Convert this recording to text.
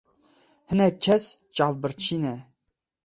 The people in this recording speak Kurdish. Hinek kes çavbirçî ne.